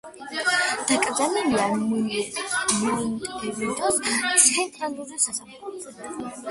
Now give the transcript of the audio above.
დაკრძალულია მონტევიდეოს ცენტრალურ სასაფლაოზე.